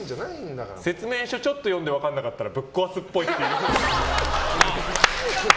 説明書ちょっと読んで分からなかったらぶっ壊すっぽい。